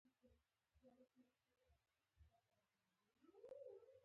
فکر مې کاوه چې مور مې له زابل څخه راغلې.